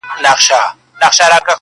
ددې خاوري هزاره ترکمن زما دی-